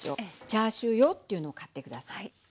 チャーシュー用っていうのを買って下さい。